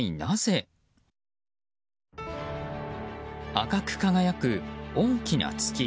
赤く輝く大きな月。